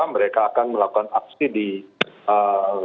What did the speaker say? mereka akan melakukan aksi di eee